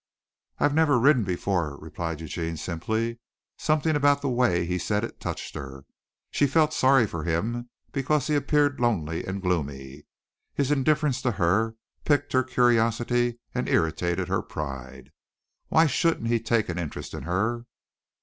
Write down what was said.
"I've never ridden before," replied Eugene simply. Something about the way he said it touched her. She felt sorry for him because he appeared lonely and gloomy. His indifference to her piqued her curiosity and irritated her pride. Why shouldn't he take an interest in her?